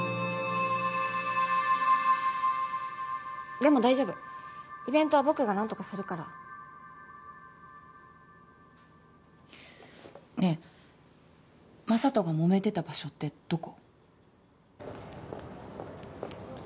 でも大丈夫イベントは僕が何とかするから。ねえＭａｓａｔｏがもめてた場所ってどこ？